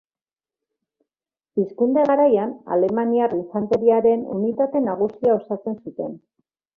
Pizkunde garaian, alemaniar infanteriaren unitate nagusia osatzen zuten.